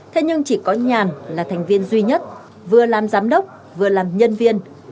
thế nhưng chỉ có nhàn là thành viên duy nhất vừa làm giám đốc vừa làm nhân viên